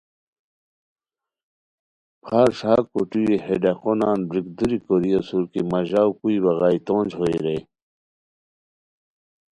پھار ݰا کوٹوئیی ہے ڈاقو نان بریک دوری کوری اسور کی مہ ژاؤ کوئے بغائے تونج ہوئے رے